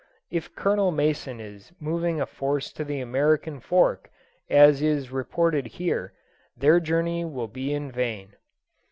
If Colonel Mason is moving a force to the American Fork, as is reported here, their journey will be in vain.